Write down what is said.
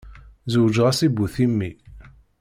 Zewǧeɣ-as i bu timmi.